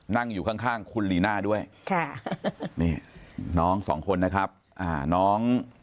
นั่งอยู่ข้างคุณลีน่าด้วยค่ะนี่น้องสองคนนะครับอ่าน้อง